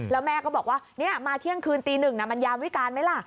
แล้วแม่ก็บอกว่ามาเที่ยงคืนตีหนึ่งมันยามวิการไหมล่ะ